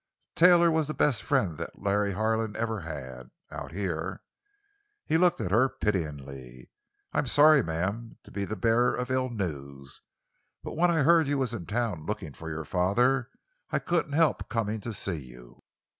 Taylor was the best friend that Larry Harlan ever had—out here." He looked at her pityingly. "I'm sorry, ma'am, to be the bearer of ill news; but when I heard you was in town, lookin' for your father, I couldn't help comin' to see you."